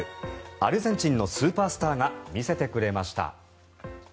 アルゼンチンのスーパースターが見せてくれました。